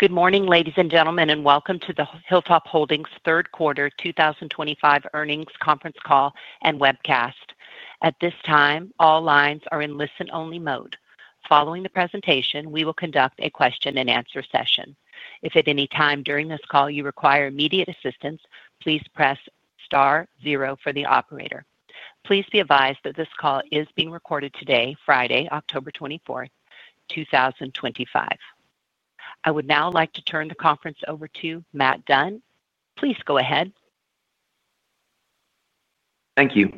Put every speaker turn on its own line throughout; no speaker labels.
Good morning, ladies and gentlemen, and welcome to the Hilltop Holdings Inc. third quarter 2025 earnings conference call and webcast. At this time, all lines are in listen-only mode. Following the presentation, we will conduct a question and answer session. If at any time during this call you require immediate assistance, please press star zero for the operator. Please be advised that this call is being recorded today, Friday, October 24, 2025. I would now like to turn the conference over to Matt Dunn. Please go ahead.
Thank you.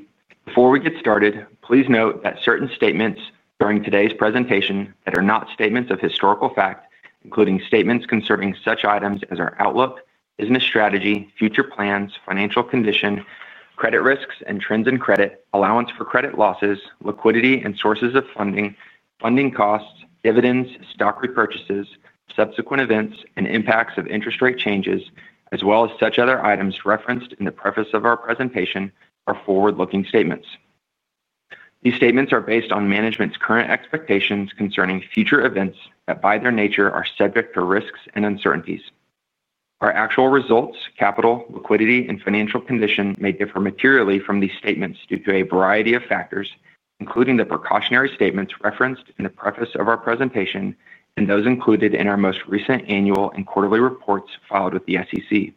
Before we get started, please note that certain statements during today's presentation that are not statements of historical fact, including statements concerning such items as our outlook, business strategy, future plans, financial condition, credit risks and trends in credit, allowance for credit losses, liquidity and sources of funding, funding costs, dividends, stock repurchases, subsequent events, and impacts of interest rate changes, as well as such other items referenced in the preface of our presentation, are forward-looking statements. These statements are based on management's current expectations concerning future events that, by their nature, are subject to risks and uncertainties. Our actual results, capital, liquidity, and financial condition may differ materially from these statements due to a variety of factors, including the precautionary statements referenced in the preface of our presentation and those included in our most recent annual and quarterly reports filed with the SEC.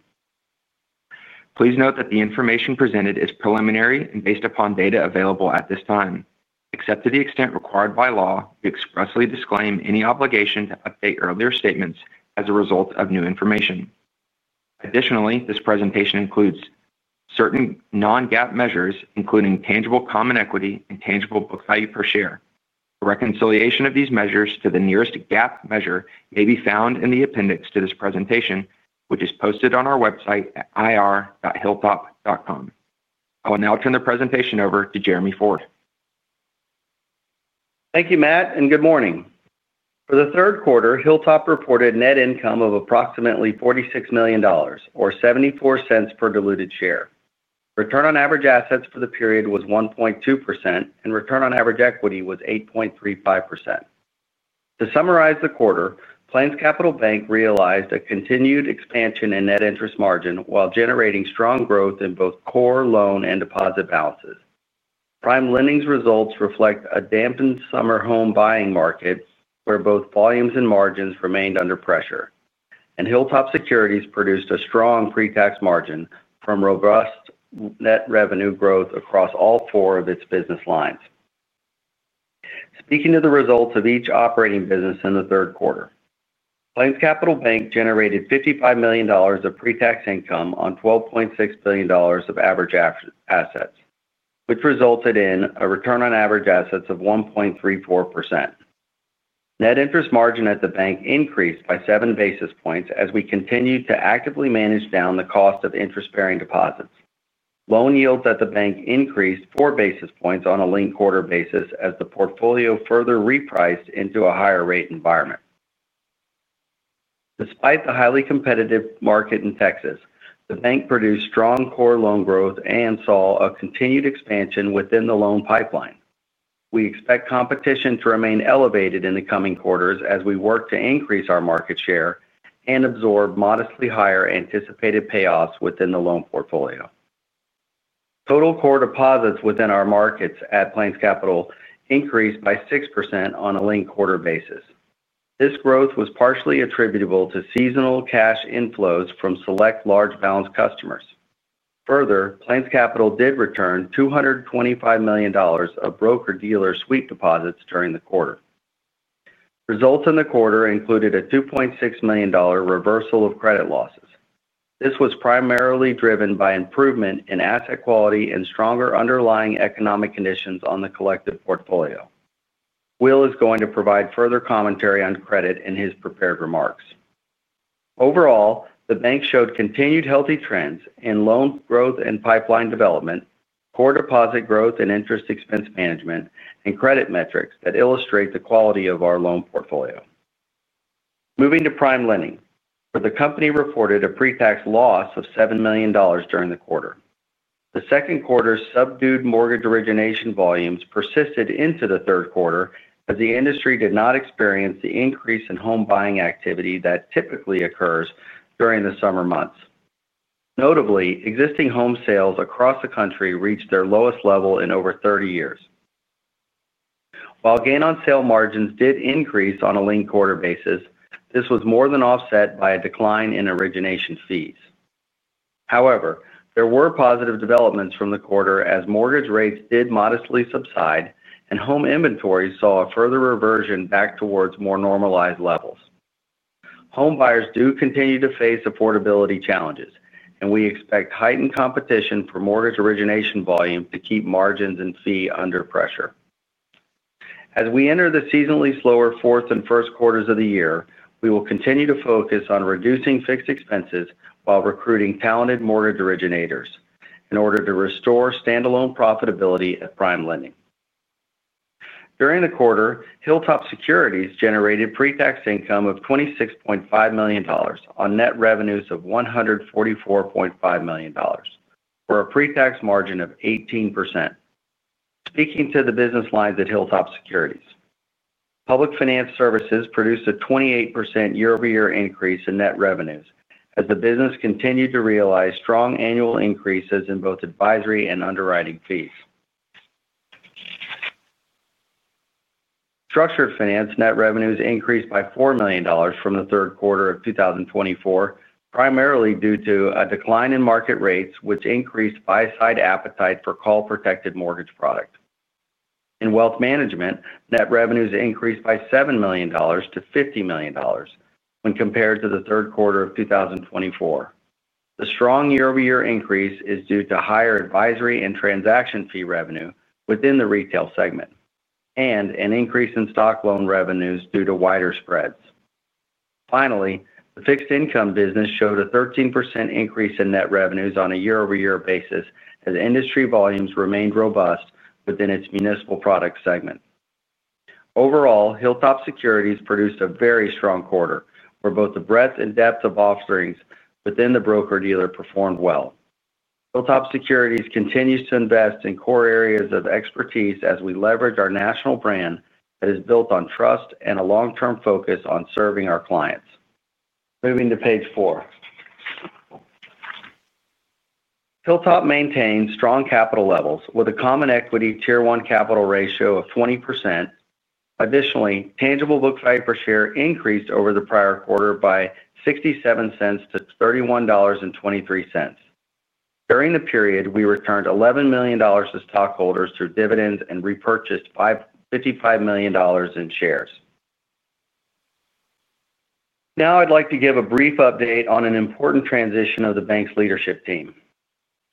Please note that the information presented is preliminary and based upon data available at this time. Except to the extent required by law, we expressly disclaim any obligation to update earlier statements as a result of new information. Additionally, this presentation includes certain non-GAAP measures, including tangible common equity and tangible book value per share. A reconciliation of these measures to the nearest GAAP measure may be found in the appendix to this presentation, which is posted on our website at ir.hilltop.com. I will now turn the presentation over to Jeremy Ford.
Thank you, Matt, and good morning. For the third quarter, Hilltop reported net income of approximately $46 million or $0.74 per diluted share. Return on average assets for the period was 1.2%, and return on average equity was 8.35%. To summarize the quarter, PlainsCapital Bank realized a continued expansion in net interest margin while generating strong growth in both core loan and deposit balances. PrimeLending's results reflect a dampened summer home buying market where both volumes and margins remained under pressure, and Hilltop Securities produced a strong pre-tax margin from robust net revenue growth across all four of its business lines. Speaking of the results of each operating business in the third quarter, PlainsCapital Bank generated $55 million of pre-tax income on $12.6 billion of average assets, which resulted in a return on average assets of 1.34%. Net interest margin at the bank increased by seven basis points as we continued to actively manage down the cost of interest-bearing deposits. Loan yields at the bank increased four basis points on a linked quarter basis as the portfolio further repriced into a higher rate environment. Despite the highly competitive market in Texas, the bank produced strong core loan growth and saw a continued expansion within the loan pipeline. We expect competition to remain elevated in the coming quarters as we work to increase our market share and absorb modestly higher anticipated payoffs within the loan portfolio. Total core deposits within our markets at PlainsCapital increased by 6% on a linked quarter basis. This growth was partially attributable to seasonal cash inflows from select large balance customers. Further, PlainsCapital did return $225 million of broker-dealer sweep deposits during the quarter. Results in the quarter included a $2.6 million reversal of credit losses. This was primarily driven by improvement in asset quality and stronger underlying economic conditions on the collective portfolio. Will is going to provide further commentary on credit in his prepared remarks. Overall, the bank showed continued healthy trends in loan growth and pipeline development, core deposit growth and interest expense management, and credit metrics that illustrate the quality of our loan portfolio. Moving to PrimeLending, where the company reported a pre-tax loss of $7 million during the quarter. The second quarter's subdued mortgage origination volumes persisted into the third quarter as the industry did not experience the increase in home buying activity that typically occurs during the summer months. Notably, existing home sales across the country reached their lowest level in over 30 years. While gain on sale margins did increase on a lean quarter basis, this was more than offset by a decline in origination fees. However, there were positive developments from the quarter as mortgage rates did modestly subside, and home inventories saw a further reversion back towards more normalized levels. Home buyers do continue to face affordability challenges, and we expect heightened competition for mortgage origination volume to keep margins and fee under pressure. As we enter the seasonally slower fourth and first quarters of the year, we will continue to focus on reducing fixed expenses while recruiting talented mortgage originators in order to restore standalone profitability at PrimeLending. During the quarter, Hilltop Securities Inc. generated pre-tax income of $26.5 million on net revenues of $144.5 million for a pre-tax margin of 18%. Speaking to the business lines at Hilltop Securities Inc., Public Finance Services produced a 28% year-over-year increase in net revenues as the business continued to realize strong annual increases in both advisory and underwriting fees. Structured Finance net revenues increased by $4 million from the third quarter of 2024, primarily due to a decline in market rates, which increased buy-side appetite for call-protected mortgage products. In Wealth Management, net revenues increased by $7 million-$50 million when compared to the third quarter of 2024. The strong year-over-year increase is due to higher advisory and transaction fee revenue within the retail segment and an increase in stock loan revenues due to wider spreads. Finally, the fixed income business showed a 13% increase in net revenues on a year-over-year basis as industry volumes remained robust within its municipal product segment. Overall, Hilltop Securities Inc. produced a very strong quarter where both the breadth and depth of offerings within the broker-dealer performed well. Hilltop Securities Inc. continues to invest in core areas of expertise as we leverage our national brand that is built on trust and a long-term focus on serving our clients. Moving to page four, Hilltop Holdings Inc. maintains strong capital levels with a common equity tier one capital ratio of 20%. Additionally, tangible book value per share increased over the prior quarter by $0.67-$31.23. During the period, we returned $11 million to stockholders through dividends and repurchased $55 million in shares. Now I'd like to give a brief update on an important transition of the bank's leadership team.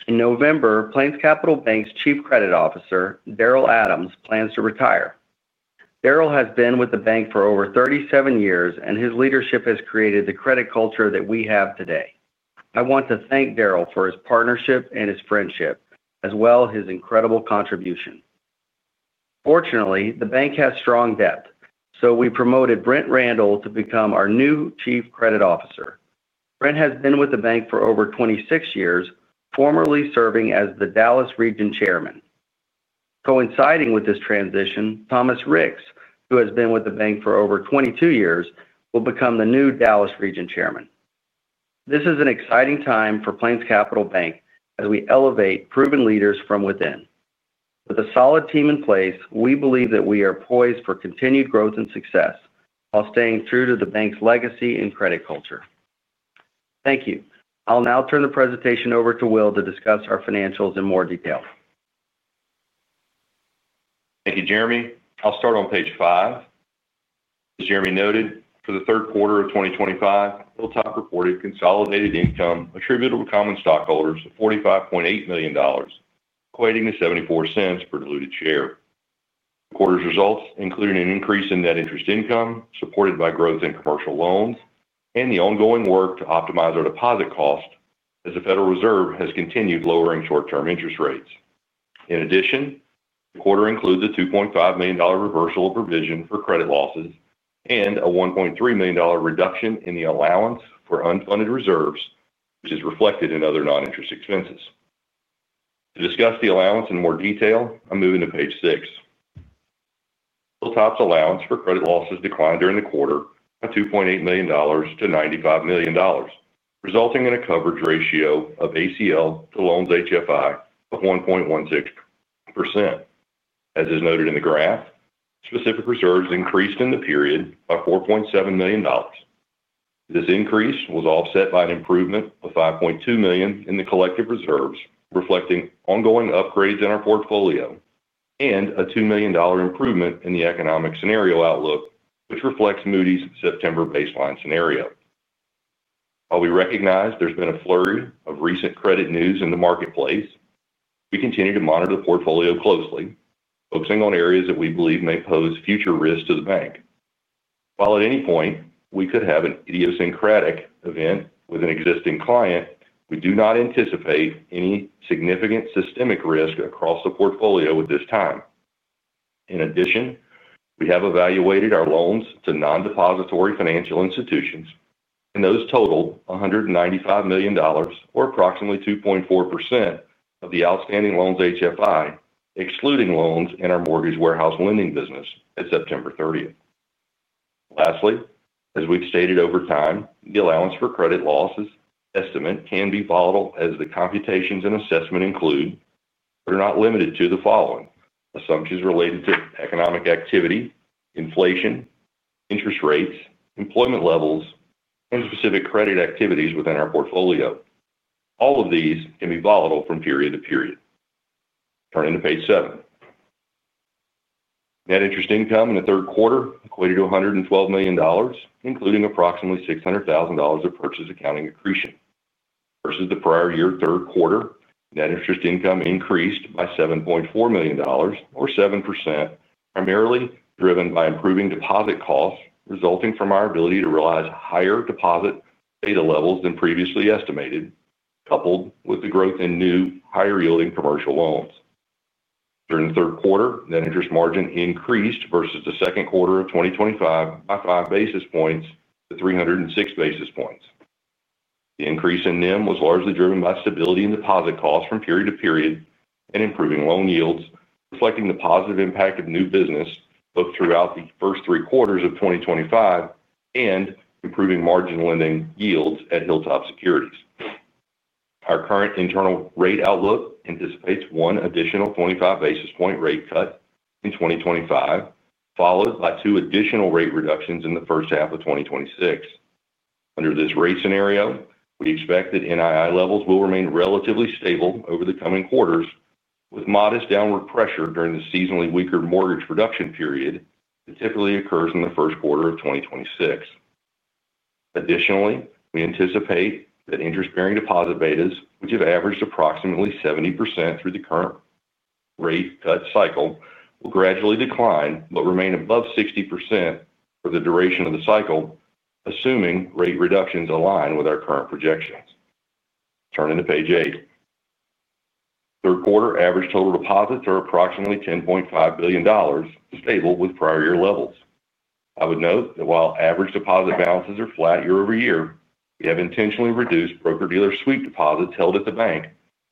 In November, PlainsCapital Bank's Chief Credit Officer, Daryl Adams, plans to retire. Daryl has been with the bank for over 37 years, and his leadership has created the credit culture that we have today. I want to thank Daryl for his partnership and his friendship, as well as his incredible contribution. Fortunately, the bank has strong depth, so we promoted Brent Randall to become our new Chief Credit Officer. Brent has been with the bank for over 26 years, formerly serving as the Dallas region chairman. Coinciding with this transition, Thomas Ricks, who has been with the bank for over 22 years, will become the new Dallas region chairman. This is an exciting time for PlainsCapital Bank as we elevate proven leaders from within. With a solid team in place, we believe that we are poised for continued growth and success while staying true to the bank's legacy and credit culture. Thank you. I'll now turn the presentation over to Will to discuss our financials in more detail.
Thank you, Jeremy. I'll start on page five. As Jeremy noted, for the third quarter of 2025, Hilltop reported consolidated income attributable to common stockholders of $45.8 million, equating to $0.74 per diluted share. The quarter's results included an increase in net interest income supported by growth in commercial loans and the ongoing work to optimize our deposit cost as the Federal Reserve has continued lowering short-term interest rates. In addition, the quarter includes a $2.5 million reversal of provision for credit losses and a $1.3 million reduction in the allowance for unfunded reserves, which is reflected in other non-interest expenses. To discuss the allowance in more detail, I'm moving to page six. Hilltop's allowance for credit losses declined during the quarter by $2.8 million-$95 million, resulting in a coverage ratio of ACL to loans HFI of 1.16%. As is noted in the graph, specific reserves increased in the period by $4.7 million. This increase was offset by an improvement of $5.2 million in the collective reserves, reflecting ongoing upgrades in our portfolio and a $2 million improvement in the economic scenario outlook, which reflects Moody's September baseline scenario. While we recognize there's been a flurry of recent credit news in the marketplace, we continue to monitor the portfolio closely, focusing on areas that we believe may pose future risk to the bank. While at any point we could have an idiosyncratic event with an existing client, we do not anticipate any significant systemic risk across the portfolio at this time. In addition, we have evaluated our loans to non-depository financial institutions, and those total $195 million, or approximately 2.4% of the outstanding loans HFI, excluding loans in our mortgage warehouse lending business at September 30. Lastly, as we've stated over time, the allowance for credit losses estimate can be volatile as the computations and assessment include, but are not limited to the following: assumptions related to economic activity, inflation, interest rates, employment levels, and specific credit activities within our portfolio. All of these can be volatile from period to period. Turning to page seven, net interest income in the third quarter equated to $112 million, including approximately $600,000 of purchase accounting accretion. Versus the prior year third quarter, net interest income increased by $7.4 million, or 7%, primarily driven by improving deposit costs resulting from our ability to realize higher deposit data levels than previously estimated, coupled with the growth in new higher yielding commercial loans. During the third quarter, net interest margin increased versus the second quarter of 2025 by five basis points to 306 basis points. The increase in NIM was largely driven by stability in deposit costs from period to period and improving loan yields, reflecting the positive impact of new business both throughout the first three quarters of 2025 and improving margin lending yields at Hilltop Securities Inc. Our current internal rate outlook anticipates one additional 25 basis point rate cut in 2025, followed by two additional rate reductions in the first half of 2026. Under this rate scenario, we expect that NII levels will remain relatively stable over the coming quarters, with modest downward pressure during the seasonally weaker mortgage production period that typically occurs in the first quarter of 2026. Additionally, we anticipate that interest-bearing deposit betas, which have averaged approximately 70% through the current rate cut cycle, will gradually decline but remain above 60% for the duration of the cycle, assuming rate reductions align with our current projections. Turning to page eight, third quarter average total deposits are approximately $10.5 billion, stable with prior year levels. I would note that while average deposit balances are flat year over year, we have intentionally reduced broker-dealer sweep deposits held at the bank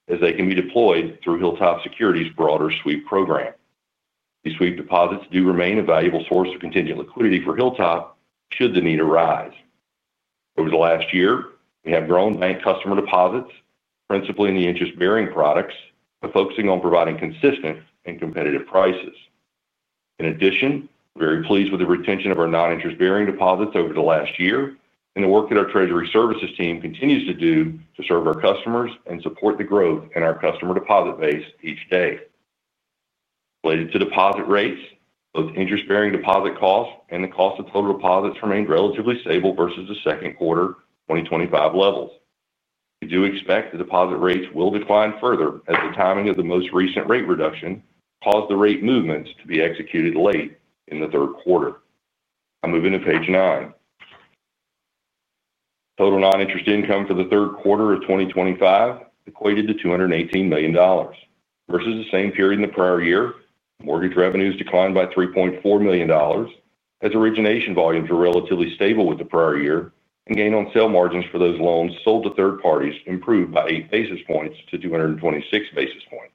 as they can be deployed through Hilltop Securities Inc.'s broader sweep program. These sweep deposits do remain a valuable source of contingent liquidity for Hilltop Holdings Inc. should the need arise. Over the last year, we have grown bank customer deposits, principally in the interest-bearing products, by focusing on providing consistent and competitive prices. In addition, we're very pleased with the retention of our non-interest-bearing deposits over the last year and the work that our Treasury Services team continues to do to serve our customers and support the growth in our customer deposit base each day. Related to deposit rates, both interest-bearing deposit costs and the cost of total deposits remain relatively stable versus the second quarter 2025 levels. We do expect the deposit rates will decline further as the timing of the most recent rate reduction caused the rate movements to be executed late in the third quarter. I'm moving to page nine. Total non-interest income for the third quarter of 2025 equated to $218 million. Versus the same period in the prior year, mortgage revenues declined by $3.4 million as origination volumes were relatively stable with the prior year, and gain on sale margins for those loans sold to third parties improved by 8 basis points to 226 basis points.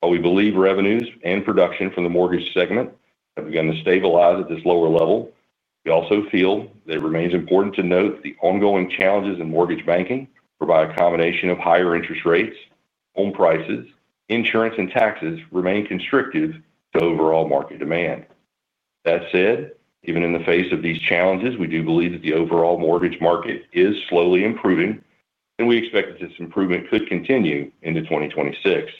While we believe revenues and production from the mortgage segment have begun to stabilize at this lower level, we also feel that it remains important to note the ongoing challenges in mortgage banking whereby a combination of higher interest rates, home prices, insurance, and taxes remain constrictive to overall market demand. That said, even in the face of these challenges, we do believe that the overall mortgage market is slowly improving, and we expect that this improvement could continue into 2026.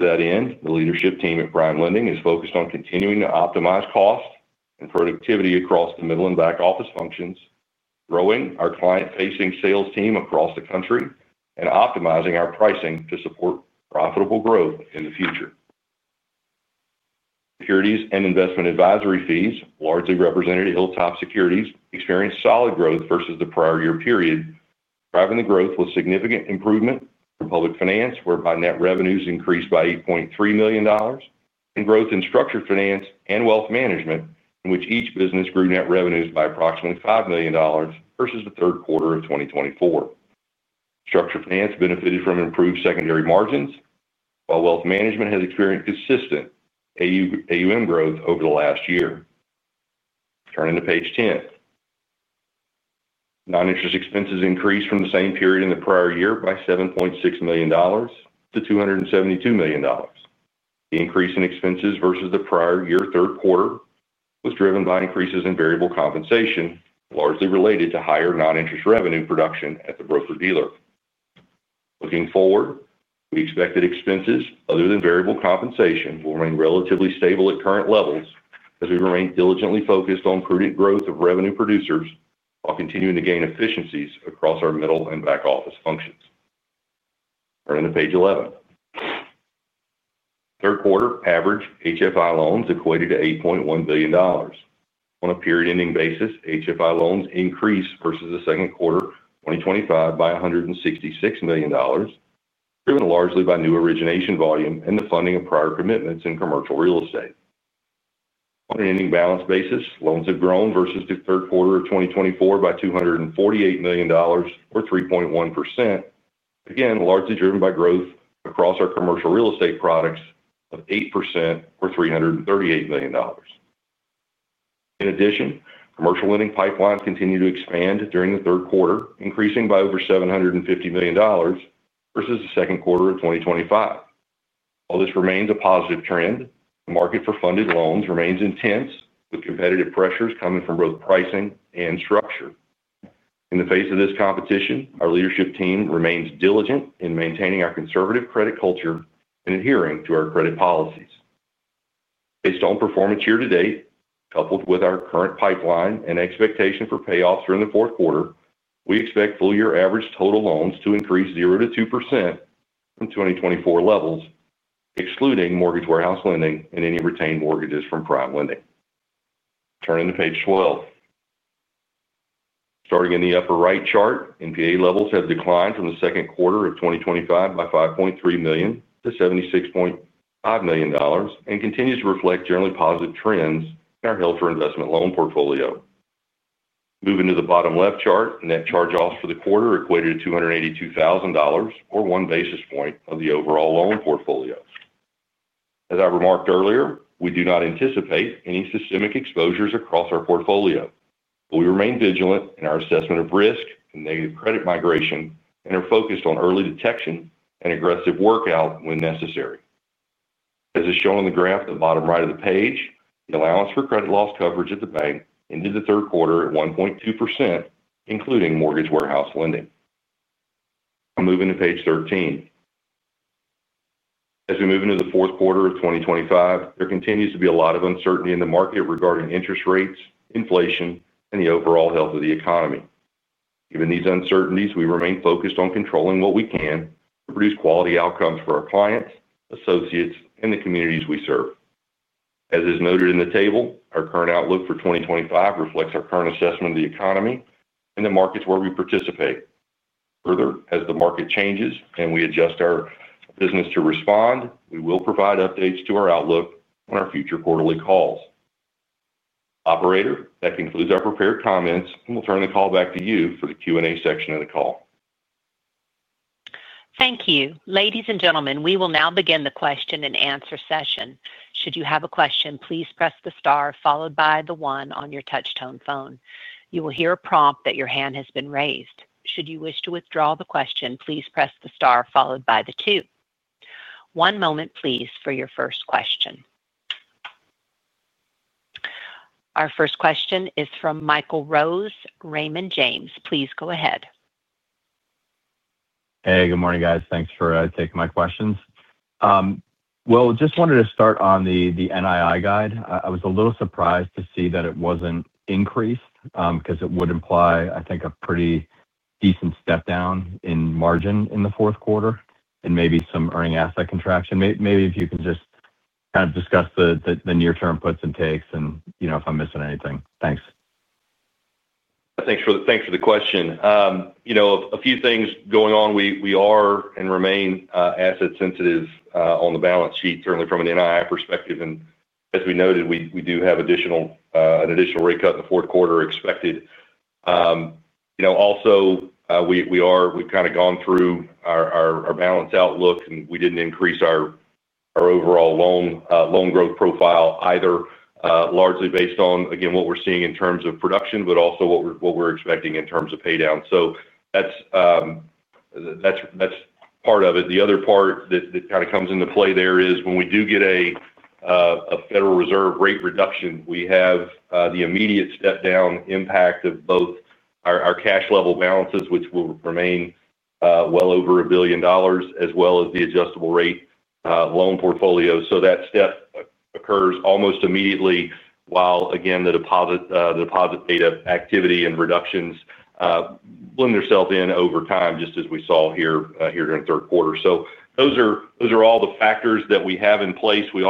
To that end, the leadership team at PrimeLending is focused on continuing to optimize cost and productivity across the middle and back office functions, growing our client-facing sales team across the country, and optimizing our pricing to support profitable growth in the future. Securities and investment advisory fees largely represented Hilltop Securities experienced solid growth versus the prior year period, driving the growth with significant improvement from public finance, whereby net revenues increased by $8.3 million, and growth in structured finance and wealth management, in which each business grew net revenues by approximately $5 million versus the third quarter of 2024. Structured finance benefited from improved secondary margins, while wealth management has experienced consistent AUM growth over the last year. Turning to page 10, non-interest expenses increased from the same period in the prior year by $7.6 million-272 million. The increase in expenses versus the prior year third quarter was driven by increases in variable compensation, largely related to higher non-interest revenue production at the broker-dealer. Looking forward, we expect that expenses other than variable compensation will remain relatively stable at current levels as we remain diligently focused on prudent growth of revenue producers while continuing to gain efficiencies across our middle and back office functions. Turning to page 11, third quarter average HFI loans equated to $8.1 billion. On a period-ending basis, HFI loans increased versus the second quarter 2025 by $166 million, driven largely by new origination volume and the funding of prior commitments in commercial real estate. On an ending balance basis, loans have grown versus the third quarter of 2024 by $248 million, or 3.1%, again, largely driven by growth across our commercial real estate products of 8% or $338 million. In addition, commercial lending pipelines continue to expand during the third quarter, increasing by over $750 million versus the second quarter of 2025. While this remains a positive trend, the market for funded loans remains intense with competitive pressures coming from both pricing and structure. In the face of this competition, our leadership team remains diligent in maintaining our conservative credit culture and adhering to our credit policies. Based on performance year to date, coupled with our current pipeline and expectation for payoffs during the fourth quarter, we expect full-year average total loans to increase 0%-2% from 2024 levels, excluding mortgage warehouse lending and any retained mortgages from PrimeLending. Turning to page 12, starting in the upper right chart, NPA levels have declined from the second quarter of 2025 by $5.3 million-$76.5 million and continue to reflect generally positive trends in our health or investment loan portfolio. Moving to the bottom left chart, net charge-offs for the quarter equated to $282,000 or one basis point of the overall loan portfolio. As I remarked earlier, we do not anticipate any systemic exposures across our portfolio, but we remain vigilant in our assessment of risk and negative credit migration and are focused on early detection and aggressive workout when necessary. As is shown on the graph at the bottom right of the page, the allowance for credit loss coverage at the bank ended the third quarter at 1.2%, including mortgage warehouse lending. I'm moving to page 13. As we move into the fourth quarter of 2025, there continues to be a lot of uncertainty in the market regarding interest rates, inflation, and the overall health of the economy. Given these uncertainties, we remain focused on controlling what we can to produce quality outcomes for our clients, associates, and the communities we serve. As is noted in the table, our current outlook for 2025 reflects our current assessment of the economy and the markets where we participate. Further, as the market changes and we adjust our business to respond, we will provide updates to our outlook on our future quarterly calls. Operator, that concludes our prepared comments and will turn the call back to you for the Q&A section of the call.
Thank you. Ladies and gentlemen, we will now begin the question and answer session. Should you have a question, please press the star followed by the one on your touch-tone phone. You will hear a prompt that your hand has been raised. Should you wish to withdraw the question, please press the star followed by the two. One moment, please, for your first question. Our first question is from Michael Rose, Raymond James. Please go ahead.
Hey, good morning, guys. Thanks for taking my questions. I just wanted to start on the NII guide. I was a little surprised to see that it wasn't increased because it would imply, I think, a pretty decent step down in margin in the fourth quarter and maybe some earning asset contraction. Maybe if you can just kind of discuss the near-term puts and takes and you know if I'm missing anything. Thanks.
Thanks for the question. You know, a few things going on. We are and remain asset sensitive on the balance sheet, certainly from an NII perspective. As we noted, we do have an additional rate cut in the fourth quarter expected. We've kind of gone through our balance outlook and we didn't increase our overall loan growth profile either, largely based on, again, what we're seeing in terms of production, but also what we're expecting in terms of paydown. That's part of it. The other part that comes into play there is when we do get a Federal Reserve rate reduction, we have the immediate step-down impact of both our cash level balances, which will remain well over $1 billion, as well as the adjustable rate loan portfolio. That step occurs almost immediately while, again, the deposit data activity and reductions blend themselves in over time, just as we saw here during the third quarter. Those are all the factors that we have in place. We're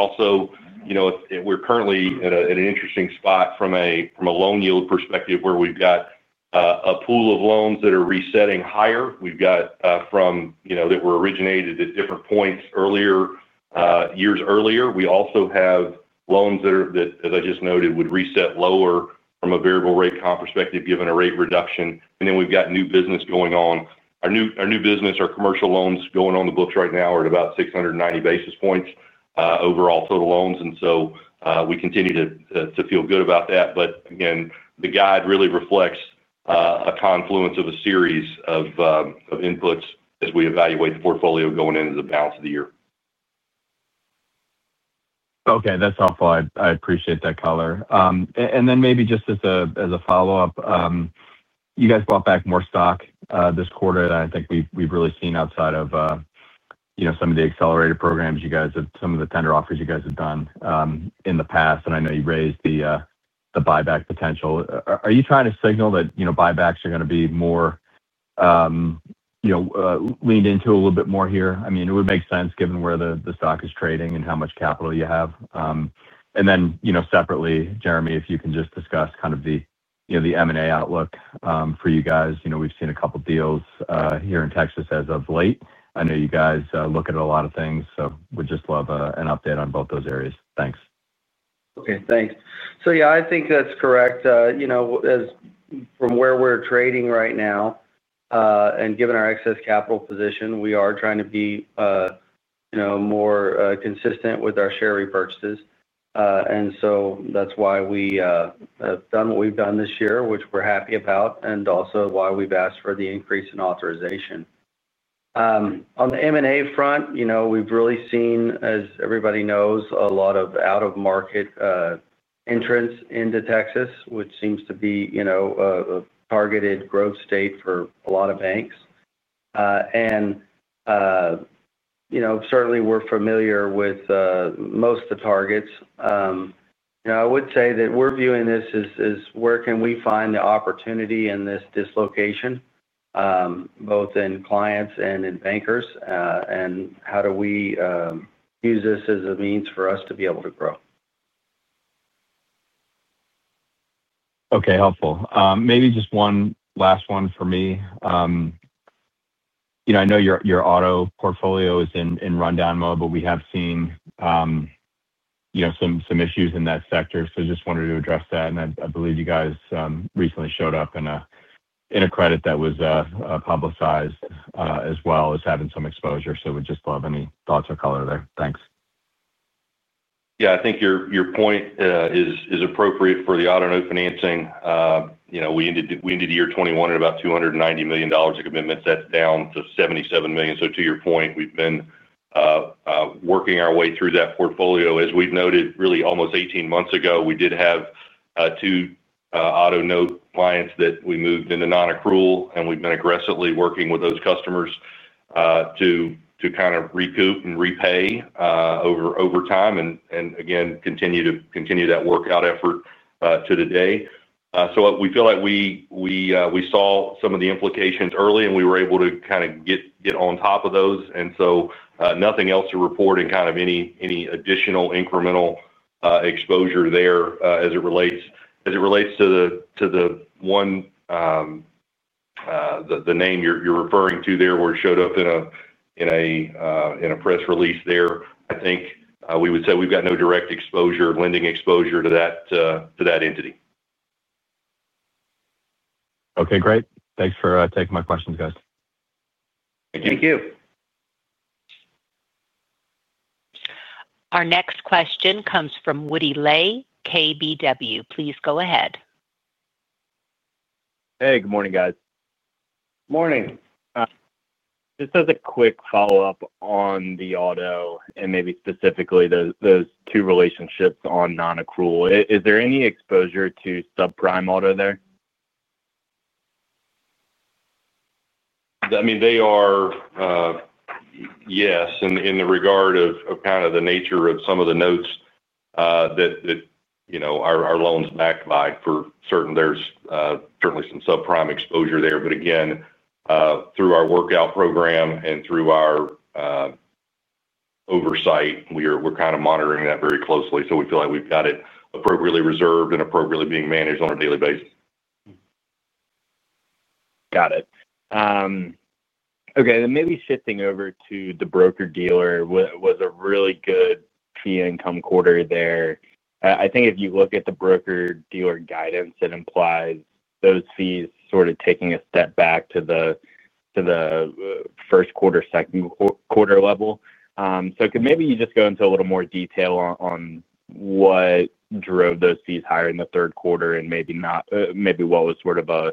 currently at an interesting spot from a loan yield perspective where we've got a pool of loans that are resetting higher. We've got loans that were originated at different points years earlier. We also have loans that are, as I just noted, would reset lower from a variable rate comp perspective, given a rate reduction. We've got new business going on. Our new business, our commercial loans going on the books right now are at about 690 basis points overall total loans. We continue to feel good about that. The guide really reflects a confluence of a series of inputs as we evaluate the portfolio going into the balance of the year. Okay, that's helpful. I appreciate that color. Maybe just as a follow-up, you guys bought back more stock this quarter than I think we've really seen outside of, you know, some of the accelerated programs you guys have, some of the tender offers you guys have done in the past. I know you raised the buyback potential. Are you trying to signal that, you know, buybacks are going to be more, you know, leaned into a little bit more here? I mean, it would make sense given where the stock is trading and how much capital you have. Separately, Jeremy, if you can just discuss kind of the, you know, the M&A outlook for you guys. We've seen a couple of deals here in Texas as of late. I know you guys look at a lot of things. Would just love an update on both those areas. Thanks.
Okay, thanks. I think that's correct. As from where we're trading right now, and given our excess capital position, we are trying to be more consistent with our share repurchases. That's why we have done what we've done this year, which we're happy about, and also why we've asked for the increase in authorization. On the M&A front, we've really seen, as everybody knows, a lot of out-of-market entrants into Texas, which seems to be a targeted growth state for a lot of banks. Certainly, we're familiar with most of the targets. I would say that we're viewing this as where can we find the opportunity in this dislocation, both in clients and in bankers, and how do we use this as a means for us to be able to grow.
Okay, helpful. Maybe just one last one for me. I know your auto portfolio is in rundown mode, but we have seen some issues in that sector. I just wanted to address that. I believe you guys recently showed up in a credit that was publicized as well as having some exposure. We'd just love any thoughts or color there. Thanks.
Yeah, I think your point is appropriate for the auto financing. You know, we ended year 2021 at about $290 million in commitments. That's down to $77 million. To your point, we've been working our way through that portfolio. As we've noted, really almost 18 months ago, we did have two auto clients that we moved into non-accrual, and we've been aggressively working with those customers to kind of recoup and repay over time. Again, continue to continue that workout effort to the day. We feel like we saw some of the implications early, and we were able to kind of get on top of those. Nothing else to report in any additional incremental exposure there as it relates to the one, the name you're referring to where it showed up in a press release. I think we would say we've got no direct exposure, lending exposure to that entity.
Okay, great. Thanks for taking my questions, guys.
Thank you.
Thank you.
Our next question comes from Woody Lay, KBW. Please go ahead.
Hey, good morning, guys.
Morning.
This is a quick follow-up on the auto and maybe specifically those two relationships on non-accrual. Is there any exposure to subprime auto there?
I mean, they are, yes, in the regard of kind of the nature of some of the notes that, you know, our loans backed by for certain, there's certainly some subprime exposure there. Again, through our workout program and through our oversight, we're kind of monitoring that very closely. We feel like we've got it appropriately reserved and appropriately being managed on a daily basis.
Okay, then maybe shifting over to the broker-dealer, was a really good fee income quarter there. I think if you look at the broker-dealer guidance, it implies those fees sort of taking a step back to the first quarter, second quarter level. Could you just go into a little more detail on what drove those fees higher in the third quarter and maybe what was sort of a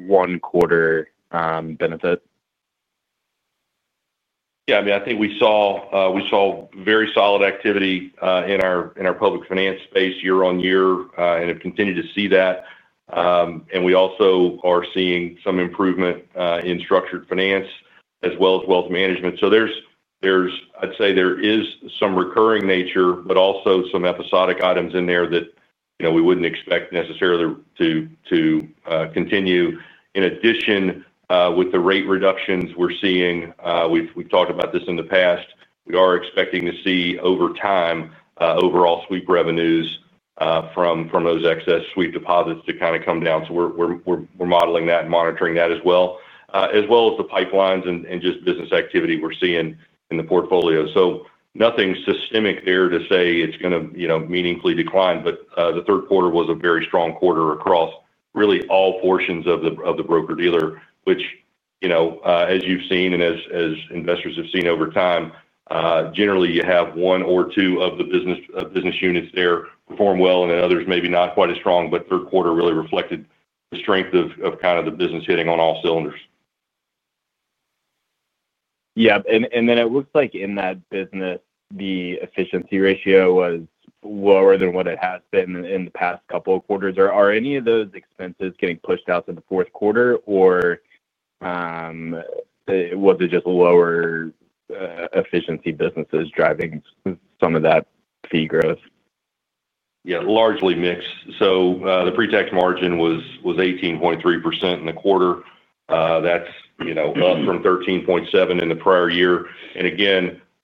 one-quarter benefit?
Yeah, I mean, I think we saw very solid activity in our public finance space year on year, and have continued to see that. We also are seeing some improvement in structured finance as well as wealth management. There is some recurring nature, but also some episodic items in there that we wouldn't expect necessarily to continue. In addition, with the rate reductions we're seeing, we've talked about this in the past, we are expecting to see over time overall sweep revenues from those excess sweep deposits to kind of come down. We're modeling that and monitoring that as well, as well as the pipelines and just business activity we're seeing in the portfolio. Nothing systemic there to say it's going to meaningfully decline, but the third quarter was a very strong quarter across really all portions of the broker-dealer, which, as you've seen and as investors have seen over time, generally you have one or two of the business units there perform well, and then others may be not quite as strong, but third quarter really reflected the strength of kind of the business hitting on all cylinders.
Yeah, it looks like in that business, the efficiency ratio was lower than what it has been in the past couple of quarters. Are any of those expenses getting pushed out to the fourth quarter, or was it just lower efficiency businesses driving some of that fee growth?
Yeah, largely mixed. The pre-tax margin was 18.3% in the quarter, up from 13.7% in the prior year.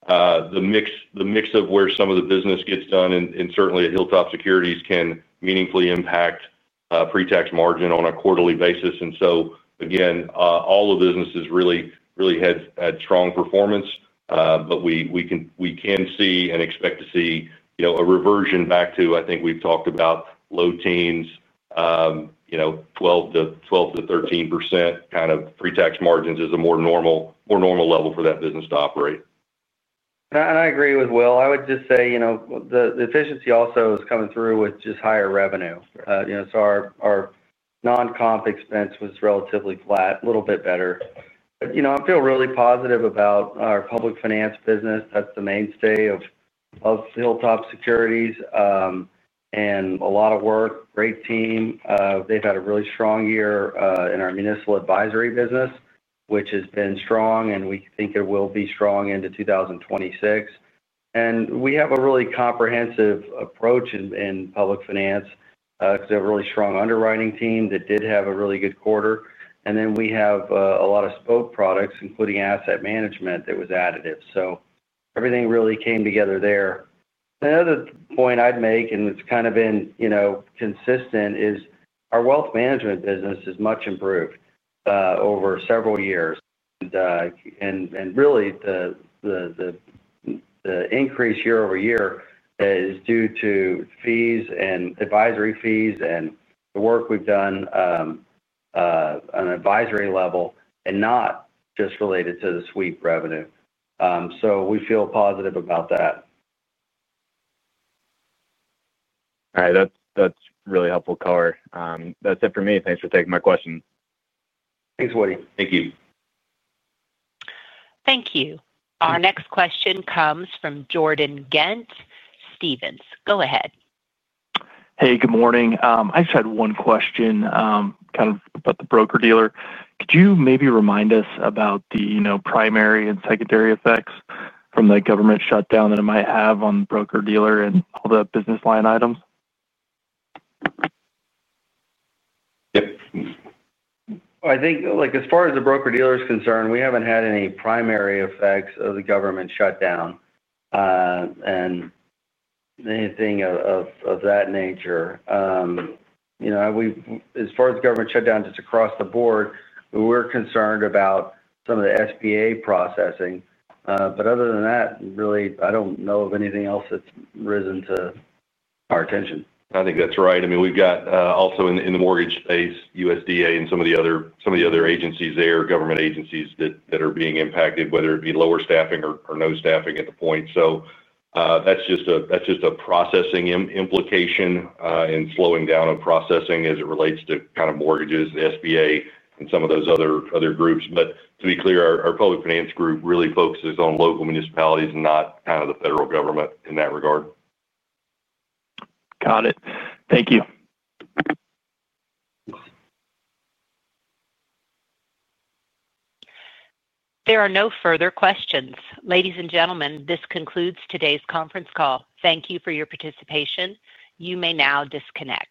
The mix of where some of the business gets done, and certainly at Hilltop Securities, can meaningfully impact pre-tax margin on a quarterly basis. All the businesses really had strong performance, but we can see and expect to see a reversion back to, I think we've talked about, low teens, 12%-13% kind of pre-tax margins as a more normal level for that business to operate.
I agree with Will. I would just say the efficiency also is coming through with just higher revenue. Our non-comp expense was relatively flat, a little bit better. I feel really positive about our public finance business. That's the mainstay of Hilltop Securities and a lot of work, great team. They've had a really strong year in our municipal advisory business, which has been strong, and we think it will be strong into 2026. We have a really comprehensive approach in public finance because we have a really strong underwriting team that did have a really good quarter. We have a lot of spoke products, including asset management that was additive. Everything really came together there. Another point I'd make, and it's kind of been consistent, is our wealth management business is much improved over several years. The increase year over year is due to fees and advisory fees and the work we've done on an advisory level and not just related to the sweep revenue. We feel positive about that.
All right, that's really helpful color. That's it for me. Thanks for taking my questions.
Thanks, Woody.
Thank you.
Thank you. Our next question comes from Jordan Gent Stevens. Go ahead.
Hey, good morning. I just had one question about the broker-dealer. Could you maybe remind us about the primary and secondary effects from the government shutdown that it might have on the broker-dealer and all the business line items?
I think as far as the broker-dealer is concerned, we haven't had any primary effects of the government shutdown and anything of that nature. As far as the government shutdown just across the board, we're concerned about some of the SBA processing. Other than that, I don't know of anything else that's risen to our attention.
I think that's right. I mean, we've got also in the mortgage space, USDA and some of the other agencies there, government agencies that are being impacted, whether it be lower staffing or no staffing at the point. That's just a processing implication and slowing down on processing as it relates to kind of mortgages, the SBA, and some of those other groups. To be clear, our public finance group really focuses on local municipalities and not kind of the federal government in that regard.
Got it. Thank you.
There are no further questions. Ladies and gentlemen, this concludes today's conference call. Thank you for your participation. You may now disconnect.